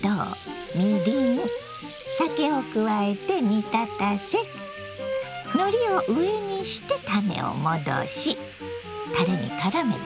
を加えて煮立たせのりを上にしてたねをもどしたれにからめていきますよ。